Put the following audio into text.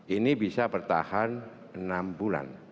ini bisa bertahan enam bulan